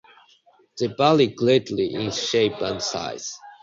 They vary greatly in shape and size.